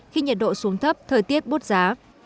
khi nhiệt độ xuống thấp thời tiết bút giá